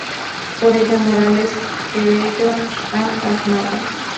Por ello Morales querelló a Almada.